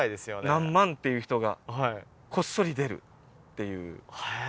何万っていう人がこっそり出るっていうえ